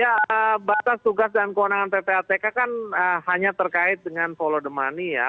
ya batas tugas dan kewenangan ppatk kan hanya terkait dengan follow the money ya